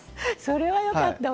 それはよかった。